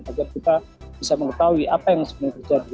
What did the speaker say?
agar kita bisa mengetahui apa yang sebenarnya terjadi